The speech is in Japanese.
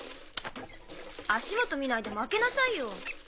足元見ないでまけなさいよ。